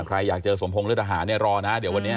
ใครอยากเจอสมพงศ์เลือดทหารรอนะ